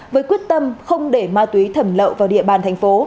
với quyết tâm không để ma túy thẩm lậu vào địa bàn thành phố